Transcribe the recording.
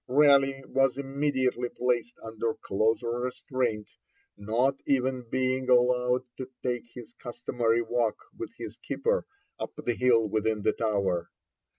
Raleigh was immediately placed under closer restraint, not even being allowed to take his customary walk with his keeper up the hill within the Tower.